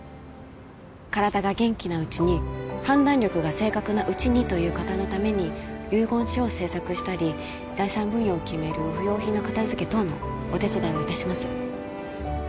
体が元気なうちに判断力が正確なうちにという方のために遺言書を製作したり財産分与を決める不要品の片づけ等のお手伝いをいたします